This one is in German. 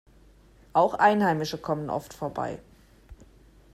Auch Einheimische kommen oft vorbei.